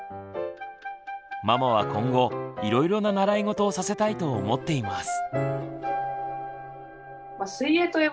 ママは今後いろいろな習いごとをさせたいと思っています。